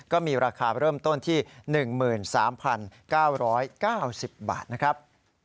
ก็มีราคาเริ่มต้นที่๑๓๙๙๐บาทนะครับ